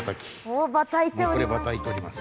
おっばたいております。